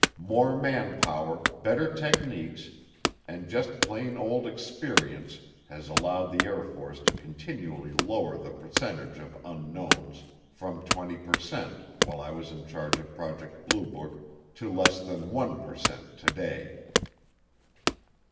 More manpower, better techniques, and just plain old experience has allowed the Air Force to continually lower the percentage of "unknowns" from 20%, while I was in charge of Project Blue Book, to less than 1%, today.